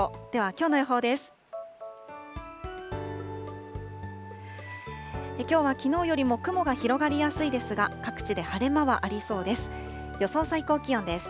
きょうはきのうよりも雲が広がりやすいですが、各地で晴れ間はありそうです。